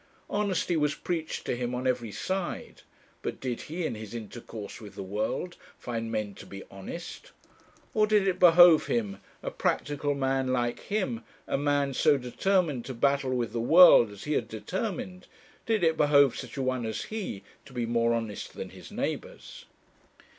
Honesty was preached to him on every side; but did he, in his intercourse with the world, find men to be honest? Or did it behove him, a practical man like him, a man so determined to battle with the world as he had determined, did it behove such a one as he to be more honest than his neighbours?